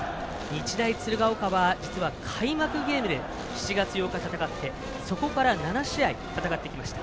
日大鶴ヶ丘は実は開幕ゲームで７月８日戦ってそこから７試合戦ってきました。